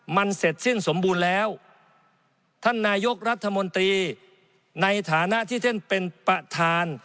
มันเสร็จสิ้นสมบูรณ์แล้วท่านนายกรัฐมนตรีในฐานะที่ท่านเป็นประธาน